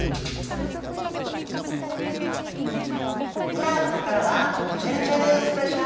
さあここからはちぇるちぇるスペシャルレッスン。